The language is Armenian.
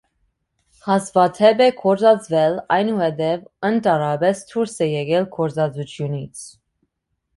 Հազվադեպ է գործածվել, այնուհետև ընդհանրապես դուրս է եկել գործածությունից։